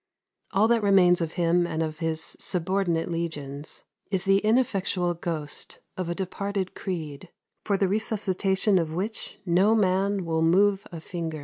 All that remains of him and of his subordinate legions is the ineffectual ghost of a departed creed, for the resuscitation of which no man will move a finger.